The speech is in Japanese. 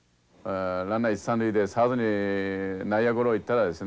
ランナー一三塁でサードに内野ゴロ行ったらですね